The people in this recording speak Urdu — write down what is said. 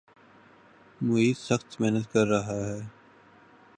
معیز سخت محنت کر رہا ہے